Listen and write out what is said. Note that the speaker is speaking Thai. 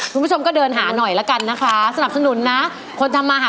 คุณผู้ชมก็เดินหาหน่อยละกันนะคะสนับสนุนนะ